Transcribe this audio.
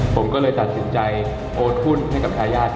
ผมก็เลยตัดสินใจโอนหุ้นให้กับทายาท